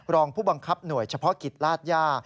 รองผู้บังคับหน่วยเฉพาะกิจลาดย่า